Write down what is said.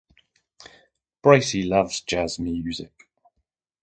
Bracey loves jazz music.